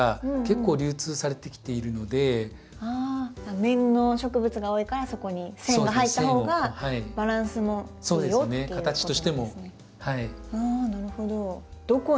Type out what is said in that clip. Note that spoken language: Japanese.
面の植物が多いからそこに線が入った方がバランスもいいよっていうことなんですね。